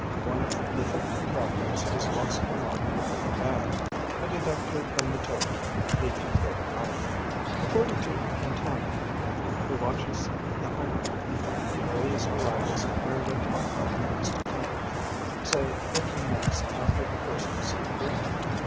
One of the fifty travellers has lost her mark in the paper bag. I deduct her from the total, leaving forty nine. According to Antonia, who watches the home coming, the earliest arrivals appeared at twenty five minutes to ten, say fifteen minutes after the first was set free.